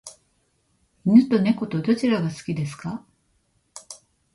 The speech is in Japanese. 犬と猫とどちらが好きですか？